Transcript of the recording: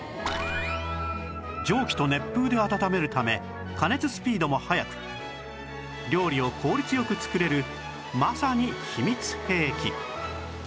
蒸気と熱風で温めるため加熱スピードも速く料理を効率良く作れるまさに秘密兵器